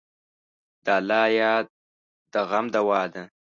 د الله یاد د غم دوا ده.